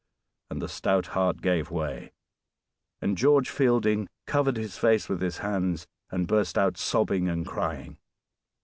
And the stout heart gave way, and George Fielding covered his face with his hands and burst out sobbing and crying.